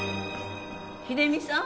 秀実さん？